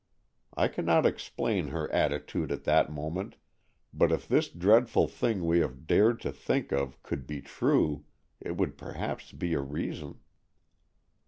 I cannot explain her attitude at that moment, but if this dreadful thing we have dared to think of could be true, it would perhaps be a reason."